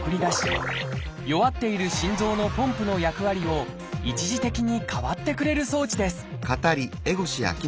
弱っている心臓のポンプの役割を一時的に代わってくれる装置です